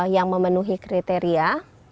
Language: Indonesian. yang memenuhi kriteria